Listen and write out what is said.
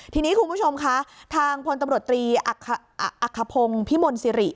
ทีนี้คุณผู้ชมคะทางพลตำรวจตรีอักขพงศ์พิมลสิริ